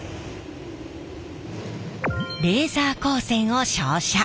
レーザー光線を照射。